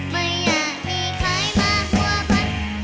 ไม่อยากมีใครมาหัวพัน